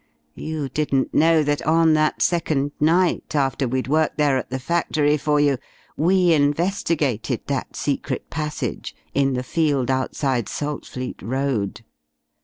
You didn't know that on that second night after we'd worked there at the factory for you, we investigated that secret passage in the field outside Saltfleet Road?